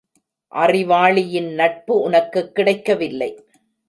அறிவாளியின் நட்பு உனக்குக் கிடைக்கவில்லை.